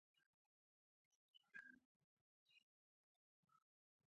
د ځمکې او طبیعي سرچینو مالکیت د کار پر اساس رامنځته کېږي.